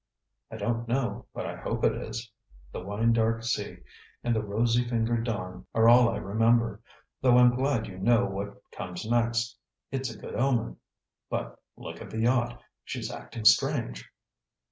"I don't know, but I hope it is. 'The wine dark sea' and the 'rosy fingered dawn' are all I remember; though I'm glad you know what comes next. It's a good omen. But look at the yacht; she's acting strange!"